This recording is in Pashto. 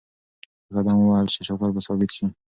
که قدم ووهل شي شکر به ثابت شي.